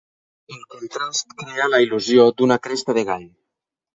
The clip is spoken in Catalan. El contrast crea la il·lusió d'una cresta de gall.